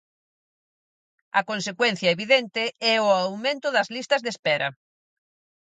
A consecuencia evidente é o aumento das listas de espera.